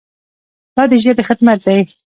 دا د ژبې خدمت دی.